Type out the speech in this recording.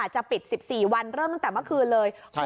จะปิด๑๔วันเริ่มตั้งแต่เมื่อคืนเลย